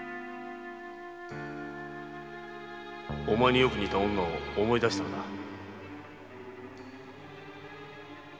お前によく似た女を思い出したのだ